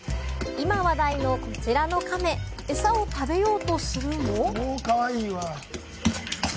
今話題のこちらのカメ、エサを食べようとするも。